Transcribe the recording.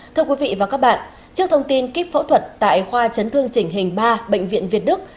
thưa quý vị và các bạn trước thông tin kíp phẫu thuật tại khoa chấn thương chỉnh hình ba bệnh viện việt đức